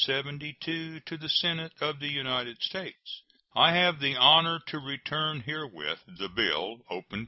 To the Senate of the United States: I have the honor to return herewith the bill (S.